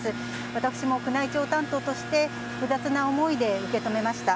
私も宮内庁担当として、複雑な思いで受け止めました。